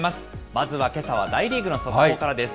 まずはけさは大リーグの速報からです。